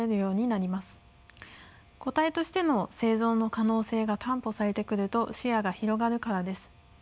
個体としての生存の可能性が担保されてくると視野が広がるからです。